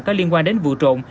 có liên quan đến vụ trộn